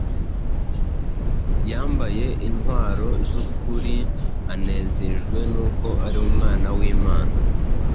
yambaye intwaro z’ukuri, anezejwe n’uko ari umwana w’Imana.